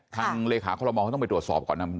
ทางเลขาคอลโมเขาต้องไปตรวจสอบก่อนนะ